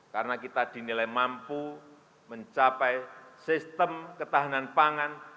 karena kita dinilai mampu mencapai sistem ketahanan pangan